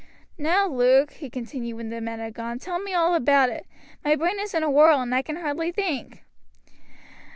"Now, Luke," he continued, when the men had gone, "tell me all about it. My brain is in a whirl, and I can hardly think."